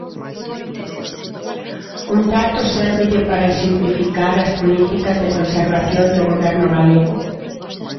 Un dato sérvelle para exemplificar as políticas de conservación do Goberno galego.